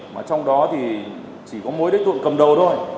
mà trong đó thì chỉ có mỗi đối tượng cầm đầu thôi